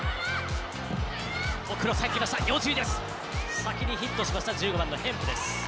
先にヒットしました１５番のヘンプです。